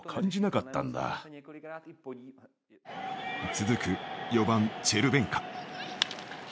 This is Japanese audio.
続く４番チェルベンカ。